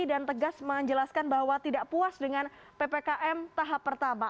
dan tegas menjelaskan bahwa tidak puas dengan ppkm tahap pertama